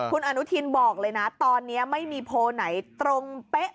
คุณอนุทินบอกเลยนะตอนนี้ไม่มีโพลไหนตรงเป๊ะ